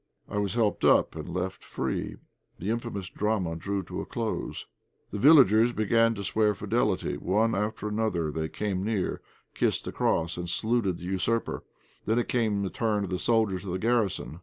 I was helped up and left free. The infamous drama drew to a close. The villagers began to swear fidelity. One after another they came near, kissed the cross, and saluted the usurper. Then it came to the turn of the soldiers of the garrison.